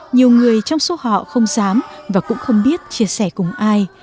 nhiều người trong số họ không dám và cũng không biết chia sẻ cùng ai